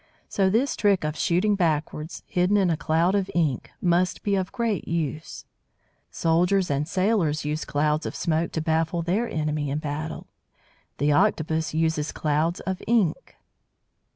So this trick of shooting backwards, hidden in a cloud of ink, must be of great use. Soldiers and sailors use clouds of smoke to baffle their enemy in battle. The Octopus uses clouds of ink.